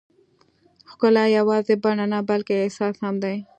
ښکلا یوازې بڼه نه، بلکې احساس هم دی.